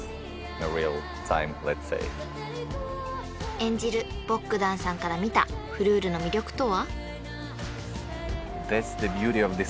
［演じるボッグダンさんから見たフルールの魅力とは？］